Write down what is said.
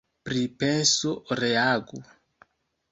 Pripensu, reagu.